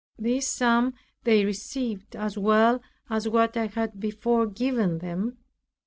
This sum they received, as well as what I had before given them.